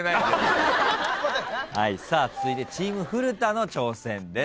続いてチーム古田の挑戦です。